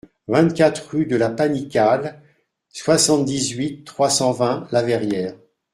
vingt-quatre rue de la Panicale, soixante-dix-huit, trois cent vingt, La Verrière